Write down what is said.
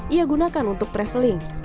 ia gunakan untuk traveling